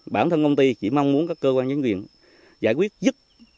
bản thân công ty chỉ mong muốn các cơ quan nhân viên giải quyết dứt